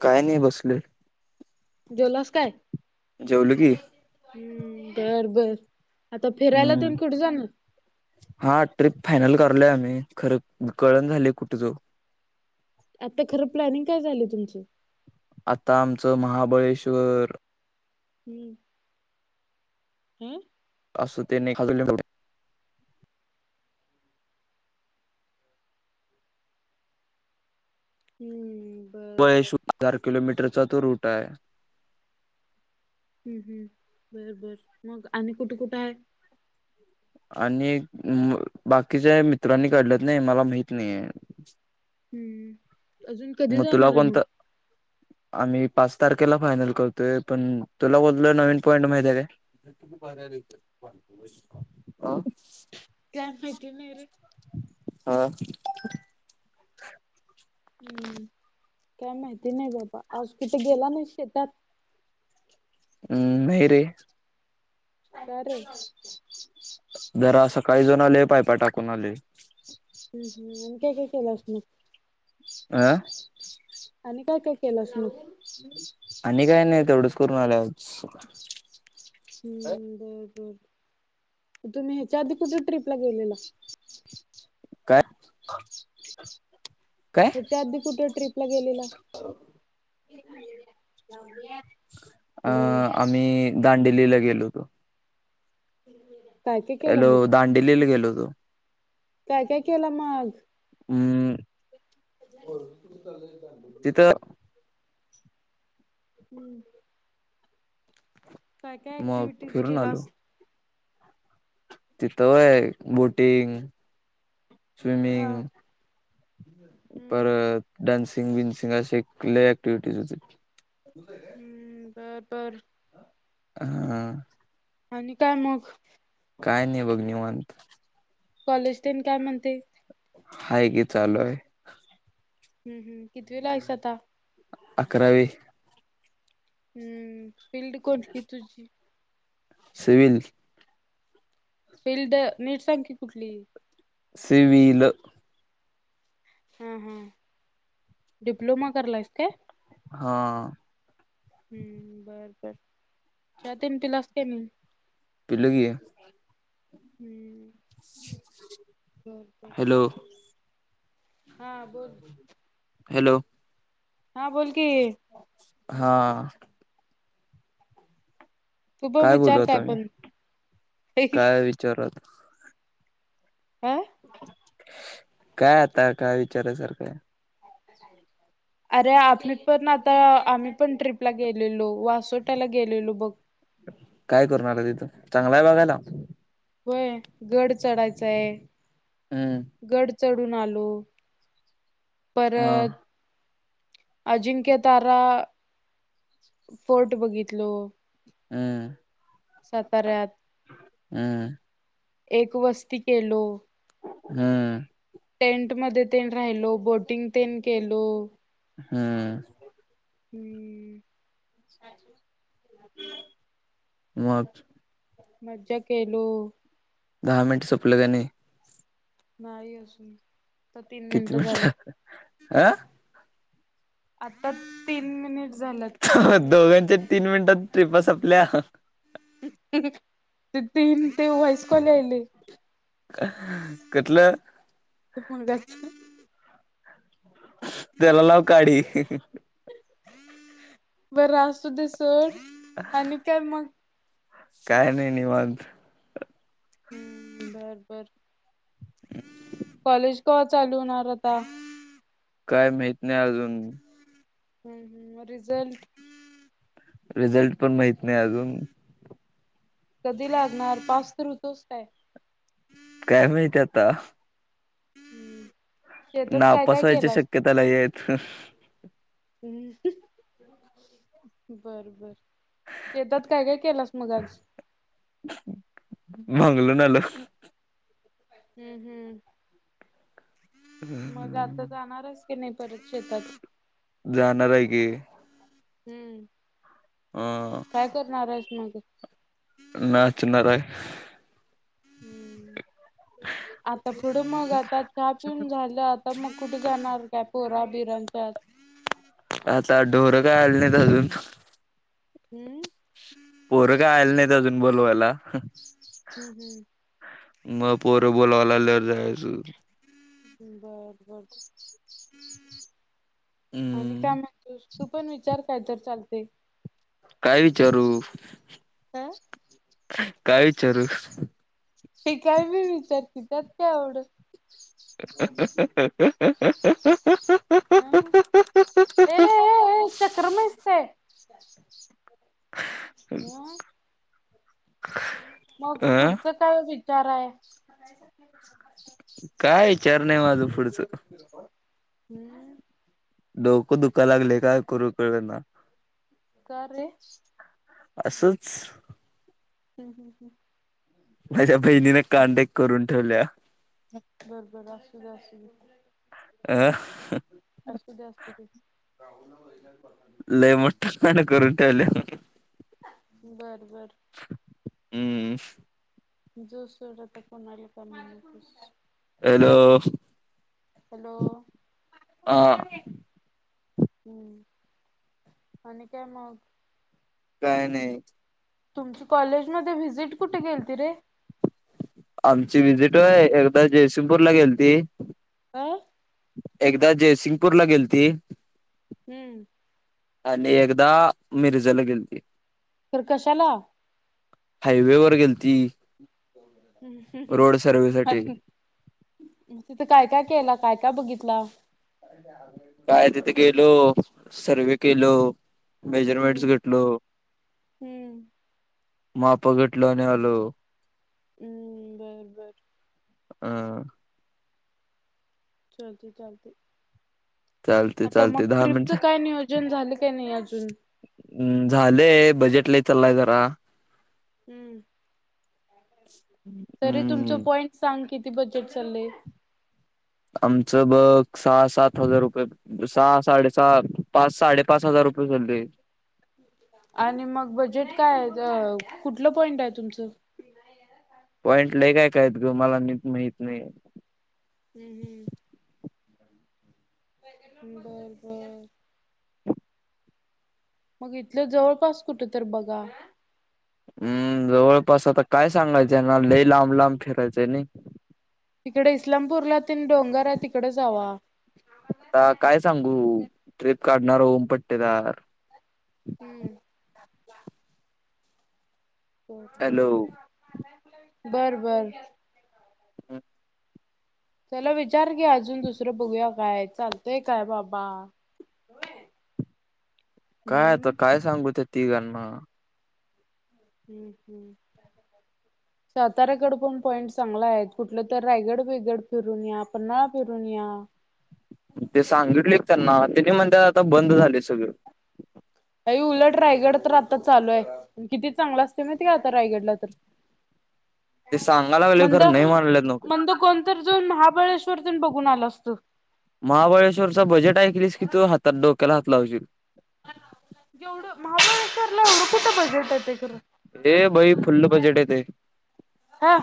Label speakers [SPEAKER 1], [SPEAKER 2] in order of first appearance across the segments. [SPEAKER 1] काय नाही बसलोय
[SPEAKER 2] जेवलास काय
[SPEAKER 1] जेवलो की
[SPEAKER 2] हम्म बर आता फिरायला तेन
[SPEAKER 1] हम्म
[SPEAKER 2] कुठे जाणार?
[SPEAKER 1] हा ट्रिप फायनल कर आम्ही खर कळण झाले कुठ जाऊ
[SPEAKER 2] आता खरं प्लॅनिंग काय झालं तुमची
[SPEAKER 1] आता आमचं महाबळेश्वर
[SPEAKER 2] हम्म हम
[SPEAKER 1] अस त्यांनी
[SPEAKER 2] हम्म बर
[SPEAKER 1] वय
[SPEAKER 2] बर
[SPEAKER 1] शु [unintelligible] किलोमीटर चतुर उटाय
[SPEAKER 2] हम्म-हम्म बर-बर, मग आणि कुठे-कुठे हाय?
[SPEAKER 1] आणि म बाकीच्या मित्रांनी काढल्यात नाही मला माहित नई ये.
[SPEAKER 2] हम्म अजून कधी
[SPEAKER 1] तुला
[SPEAKER 2] जाणार ए मग?
[SPEAKER 1] कोणता आम्ही पाच तारखेला फायनल करतोय पण, तुला बदल नवीन पॉईंट माहिते काय? तुम्ही बऱ्याय [unintelligible] [unintelligible]
[SPEAKER 2] काय माइती नई रे.
[SPEAKER 1] हां
[SPEAKER 2] हम्म, काय माहिती नाही बाबा. आज कुठे गेला नाही शेतात?
[SPEAKER 1] अम् नाही रे.
[SPEAKER 2] का रे?
[SPEAKER 1] जरा सकाळी जाऊन आलोय. पायपा टाकून आलोय.
[SPEAKER 2] हम् हम् ते केलास नव.
[SPEAKER 1] आं
[SPEAKER 2] काय केलास मग?
[SPEAKER 1] आणि काय नाही तेवढंच करून आलो आज. [unintelligible]
[SPEAKER 2] हम्म, बर बर. तुम्ही ह्याच्याआधी कुठं ट्रिपला गेलेला?
[SPEAKER 1] काय? काय
[SPEAKER 2] हेच्या आधी कुटं ट्रिपला गेलेला? हॅलो.
[SPEAKER 1] दांडिलीला गेलो होतो.
[SPEAKER 2] [inaudible]
[SPEAKER 1] एलो
[SPEAKER 2] मग
[SPEAKER 1] दांडेलीला गेलो तो
[SPEAKER 2] काय काय केला मग?
[SPEAKER 1] हम्
[SPEAKER 2] हो खूप चालय बा
[SPEAKER 1] तिथं
[SPEAKER 2] हम्म काय काय
[SPEAKER 1] मग
[SPEAKER 2] ऍक्टिव्हटीज
[SPEAKER 1] फिरून आलो.
[SPEAKER 2] केलास?
[SPEAKER 1] तिथं होय बोटिंग,
[SPEAKER 2] हा
[SPEAKER 1] स्विमिंग,
[SPEAKER 2] हम्म
[SPEAKER 1] परत डान्सि टींग बिन सिंग असे लय ऍक्टिव्हिटीज होतीत.
[SPEAKER 2] हम्म, बर बर.
[SPEAKER 1] हां
[SPEAKER 2] आणि काय मग?
[SPEAKER 1] काय नाही बघ निवांत
[SPEAKER 2] कॉलेज तेन काय म्हणते
[SPEAKER 1] हाय की चालू हाय
[SPEAKER 2] हम्म कितीवीला आहीस आता?
[SPEAKER 1] अकरावी
[SPEAKER 2] हम्म फिल्ड कुठली तुझी?
[SPEAKER 1] सिव्हिल
[SPEAKER 2] फिल्ड नीट सांग की कुठली?
[SPEAKER 1] सिविल
[SPEAKER 2] हा हा डिप्लोमा करलाइस काय?
[SPEAKER 1] हा
[SPEAKER 2] हम्म बर बर [unintelligible]
[SPEAKER 1] पिलो की
[SPEAKER 2] रिकामा ऑडिओ रिकामा
[SPEAKER 1] हॅलो
[SPEAKER 2] ऑडिओ हा बोल
[SPEAKER 1] हॅलो
[SPEAKER 2] हा बोल कि
[SPEAKER 1] हा
[SPEAKER 2] पण
[SPEAKER 1] काय बोलू
[SPEAKER 2] विचार
[SPEAKER 1] आता मी
[SPEAKER 2] पण
[SPEAKER 1] काय विचारत
[SPEAKER 2] अं
[SPEAKER 1] काय आता काय विचारासारखय
[SPEAKER 2] अरे आपली पण आता आम्ही पण ट्रिप ला गेलेलो वासोटयाला गेलेलो बघ.
[SPEAKER 1] काय करून आला तिथून, चांगला आहे बघायला?
[SPEAKER 2] व्हय गड चढायचय.
[SPEAKER 1] हम्म
[SPEAKER 2] चढून आलो.
[SPEAKER 1] हा
[SPEAKER 2] परत अजिंक्य तारा फोर्ट बघितलो.
[SPEAKER 1] हम्म
[SPEAKER 2] साताऱ्यात
[SPEAKER 1] हं
[SPEAKER 2] एक वस्ती केलो.
[SPEAKER 1] हम्म
[SPEAKER 2] टेंट मध्ये तेन राहिलो, बोटिंग तेन केलो.
[SPEAKER 1] हम्म
[SPEAKER 2] रिकामा ऑडिओ
[SPEAKER 1] रिकामा ऑडिओ मग
[SPEAKER 2] मज्जा केलो.
[SPEAKER 1] दहा मिनट सपले का नाय?
[SPEAKER 2] नाही अजून आता तीन
[SPEAKER 1] किती
[SPEAKER 2] मिनिट
[SPEAKER 1] मिनट
[SPEAKER 2] झाल्यात
[SPEAKER 1] अं?
[SPEAKER 2] आता तीन मिनिट. झाल्यात
[SPEAKER 1] दोघांच्या तीन मिनिटात ट्रीप आपल्या
[SPEAKER 2] ते तीन ते व्हाॅईस कॉल यायले.
[SPEAKER 1] कुठलं
[SPEAKER 2] [unintelligible]
[SPEAKER 1] तेला लाव काडी.
[SPEAKER 2] बर असुदे सोड. आणि काय मग
[SPEAKER 1] काय नाही निवांत.
[SPEAKER 2] बर, बर कॉलेज कवा चालू होणार आता?
[SPEAKER 1] काय माहित नाही अजून.
[SPEAKER 2] हं, हं. मग रिझल्ट?
[SPEAKER 1] रिझल्ट पण माहित नाही अजून.
[SPEAKER 2] कधी लागणार पास तर होतोस काय?
[SPEAKER 1] काय माहिती आता.
[SPEAKER 2] हम्म. शेतात काय
[SPEAKER 1] नापस
[SPEAKER 2] काय
[SPEAKER 1] व्हायची
[SPEAKER 2] केलास
[SPEAKER 1] शक्यता लई हाईत.
[SPEAKER 2] हम्म. बर, बर. शेतात काय, काय केलंस मग आज?
[SPEAKER 1] भांगलुन आलो.
[SPEAKER 2] हम्म, हम्म. मग आता जाणार हायस? की नई
[SPEAKER 1] जाणार आहे की.
[SPEAKER 2] हम्म.
[SPEAKER 1] अ
[SPEAKER 2] काय करणार आहेस? नको.
[SPEAKER 1] नाचनार हाय.
[SPEAKER 2] हम्म. आता पुढं मग आता चहा पिऊन झालं आता मग कुठे जाणार काय पोरा बिरांच्यात
[SPEAKER 1] आता ढोरं काय आलं नाहीत अजून.
[SPEAKER 2] अं?
[SPEAKER 1] पोरं काय आले नाहीत अजून बोलवायला.
[SPEAKER 2] हं, हं.
[SPEAKER 1] मग पोर बोलावाय आल्यावर जायच.
[SPEAKER 2] बर. बर
[SPEAKER 1] [unintelligible]
[SPEAKER 2] आणि काय
[SPEAKER 1] हम्म
[SPEAKER 2] म्हणतोस तू पण विचार काय तर चाल ते
[SPEAKER 1] काय विचारू?
[SPEAKER 2] हं.
[SPEAKER 1] काय विचारू?
[SPEAKER 2] हे काय बी विचार की त्यात काय एवढं
[SPEAKER 1] [inaudible] [unintelligible]
[SPEAKER 2] ये ये ये ये चक्रम आहेस काय? ह मग
[SPEAKER 1] अं
[SPEAKER 2] पुढच काय वि चार हाय
[SPEAKER 1] काय? चार नाय माझ पुढच
[SPEAKER 2] रिकामा ऑडिओ
[SPEAKER 1] डोक दुःखायला लागलय काय करू कळ ना.
[SPEAKER 2] का रे?
[SPEAKER 1] असंच
[SPEAKER 2] रिकामा ऑडिओ
[SPEAKER 1] माझ्या बहिणीने कांड एक करून ठेवल्या.
[SPEAKER 2] बर बर असू दे असू दे
[SPEAKER 1] अ
[SPEAKER 2] असू दे असू दे रिकामा ऑडिओ
[SPEAKER 1] लय मोठा कांड करून ठेवलाय हम्म
[SPEAKER 2] बर बर
[SPEAKER 1] रिकामा ऑडिओ
[SPEAKER 2] जो सोड आता कोणाला [unintelligible]
[SPEAKER 1] हॅलो
[SPEAKER 2] हॅलो
[SPEAKER 1] हा हां
[SPEAKER 2] हं आणि काय मग
[SPEAKER 1] काय नाय
[SPEAKER 2] तुमची कॉलेज मध्ये व्हिजिट कुठे गेलती रे?
[SPEAKER 1] आमची व्हीजिट व्हय एकदा जयसिंगपूरला गेलती.
[SPEAKER 2] अय
[SPEAKER 1] एकदा जयसिंगपूरला गेलती.
[SPEAKER 2] हम्म
[SPEAKER 1] आणि एकदा मिरजंला गेलती.
[SPEAKER 2] तर कशाला
[SPEAKER 1] हायवेवर गेल- रोड सर्वे साठी
[SPEAKER 2] तिथ काय काय केला काय काय बघित लास
[SPEAKER 1] काय तिथ गेलो सर्वे केलो.
[SPEAKER 2] हम्म
[SPEAKER 1] मेजरमेंटन्स घेतलो.
[SPEAKER 2] हम्म
[SPEAKER 1] माप घेतलो आणि आलो.
[SPEAKER 2] अं बर बर.
[SPEAKER 1] अ
[SPEAKER 2] चालतंय, चालतंय.
[SPEAKER 1] चालतय़, चालतंय दहा मिनट.
[SPEAKER 2] काय नियोजन झालं काय नाही अजून?
[SPEAKER 1] झालंय बजेट लई चाललाय जरा
[SPEAKER 2] हम्म‌.
[SPEAKER 1] [unintelligible]
[SPEAKER 2] तरी तुमचं
[SPEAKER 1] हम्म
[SPEAKER 2] पॉइंट सांग. किती बजेट चाललंय?
[SPEAKER 1] आमचं बघ सहा, सात हजार रुपये. सहा, साडे सहा पाच, साडेपाच हजार रुपये झालयं.
[SPEAKER 2] आणि मग बजेट काय अ कुठलं पॉइंट आहे तुमचं?
[SPEAKER 1] पॉईंट लई काय काय हाईत गं मला निट माहीत नाहीये.
[SPEAKER 2] हम्म, हम्म‌. बर, बर. मग इथलं जवळपास कुठं तर बघा.
[SPEAKER 1] हम्म जवळपास आता काय सांगायचं यांना लई लांब लांब फिरायचं हाय नई.
[SPEAKER 2] तिकडे इस्लामपूरला तेन डोंगर आहे तिकडं जावा.
[SPEAKER 1] आता काय सांगू. ट्रिप काढणारा ओम पट्टेदार
[SPEAKER 2] हम्म. पोटभर
[SPEAKER 1] हॅलो
[SPEAKER 2] बर, बरं.
[SPEAKER 1] हम्म.
[SPEAKER 2] चला विचार घ्या अजून दुसरं बघूया काय चालतंय काय बाबा.
[SPEAKER 1] काय आता
[SPEAKER 2] हम्म.
[SPEAKER 1] काय सांगू ते तिघांना.
[SPEAKER 2] हम्म, हम्म. साताऱ्याकडं पण पॉइंट चांगल हायत. कुठलं तर रायगड बियगड फिरून या, पन्हाळा फिरून या.
[SPEAKER 1] ते सांगितलोय कि त्यांना तेनी म्हणत्यात आता बंद झालंय सगळं.
[SPEAKER 2] अई उलट रायगड तर आता चालू आहे आणि किती चांगल‌ असतेय माहिती आहे का आता रायगडला तर.
[SPEAKER 1] ते सांगा लागले
[SPEAKER 2] मंद
[SPEAKER 1] खरं नाही
[SPEAKER 2] ह
[SPEAKER 1] मानल्यात नव्हते
[SPEAKER 2] मंदा कोणतर जाऊन महाबळेश्वर कोट तेन बघून आलो असतो.
[SPEAKER 1] कितवं हातात डोक्याला हात लावशील
[SPEAKER 2] एवढं महाबळेश्वरला एवढं कुठं बजेट येतयं खरं?
[SPEAKER 1] ए बाई फुल्ल बजेट येते
[SPEAKER 2] हा.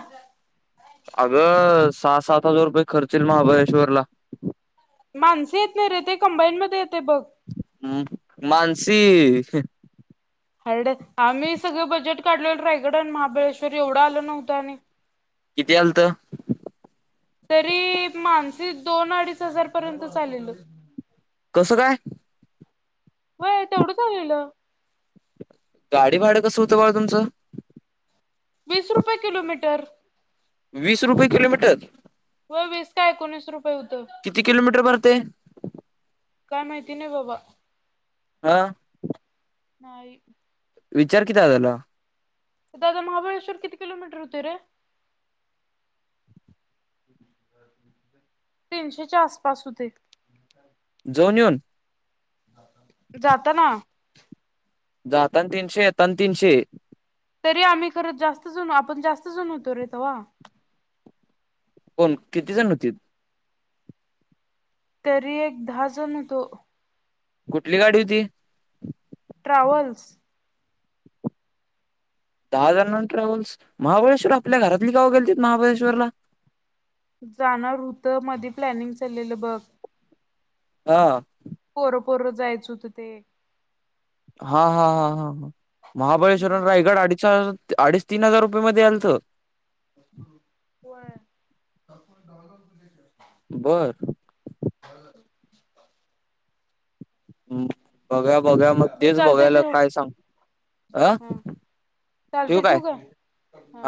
[SPEAKER 1] अगं सहा, सात हजार रुपये खर्च येईल महाबळेश्वरला.
[SPEAKER 2] माणसे येत नाही रे ते कंबाईनमध्ये ये
[SPEAKER 1] हं मानसी
[SPEAKER 2] हाड आम्ही सगळं बजेट काढलेलो रायगड आणि महाबळेश्वर एवढं आलं नव्हतं आणि
[SPEAKER 1] किती आलत?
[SPEAKER 2] तरी मानसी दोन, अडीच हजार पर्यंत आलेलं.
[SPEAKER 1] कसं काय?
[SPEAKER 2] व्हय तेवढंच आलेलं.
[SPEAKER 1] गाडी भाडं कसं होतं बाळ तुमचं?
[SPEAKER 2] वीस रुपये किलोमीटर.
[SPEAKER 1] वीस रुपये किलोमीटर?
[SPEAKER 2] हो वीस का एकोणीस रुपये होत.
[SPEAKER 1] किती किलोमीटर भरते
[SPEAKER 2] काय माहिती नाही बाबा?
[SPEAKER 1] आ?
[SPEAKER 2] नाही.
[SPEAKER 1] विचार किती दादाला.
[SPEAKER 2] दादा महाबळेश्वर किती किलोमीटर होतय रे? तीनशेच्या आसपास होतय.
[SPEAKER 1] जाऊन युन?
[SPEAKER 2] जाताना.
[SPEAKER 1] जाताना तीनशे, येताना तीनशे?
[SPEAKER 2] तरी आम्ही खर जास्त जण आपण जास्त जण होतो रे तवा‌.
[SPEAKER 1] कोण किती जण होतीत?
[SPEAKER 2] तरी एक दहा जण हुतो.
[SPEAKER 1] कुठली गाडी होती?
[SPEAKER 2] ट्रॅव्हल्स.
[SPEAKER 1] दहा जणान ट्रॅव्हल्स महाबळेश्वर आपल्या घरातली कवा गेलतीत महाबळेश्वरला?
[SPEAKER 2] जाणार हुतो मधी प्लॅनिंग चाललेलं बघ.
[SPEAKER 1] हा.
[SPEAKER 2] पोरंपोरं जायचं हुतं ते.
[SPEAKER 1] हा, हा, हा, हा, हा. महाबळेश्वर
[SPEAKER 2] हम्म
[SPEAKER 1] अन रायगड अडी [inaudible] अडीच तीन हजार रुपयेमध्ये आलत?
[SPEAKER 2] होय. [inaudible]
[SPEAKER 1] बर.
[SPEAKER 2] [inaudible]
[SPEAKER 1] हम्म, बघा बघा मग
[SPEAKER 2] बरं
[SPEAKER 1] तेच
[SPEAKER 2] चालतंय
[SPEAKER 1] बघायला
[SPEAKER 2] ठेव.
[SPEAKER 1] काय सांग अ
[SPEAKER 2] हा चालतय ठेऊ काय? हा.